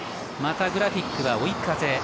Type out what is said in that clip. またグラフィックは追い風。